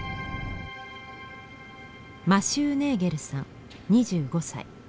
マシュー・ネーゲルさん２５歳。